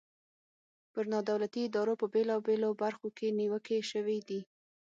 پر نا دولتي ادارو په بیلابیلو برخو کې نیوکې شوي دي.